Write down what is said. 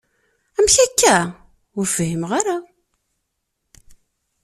Amek akka? Ur fhimeɣ ara.